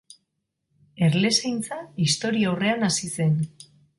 Erlezaintza historiaurrean hasi zen.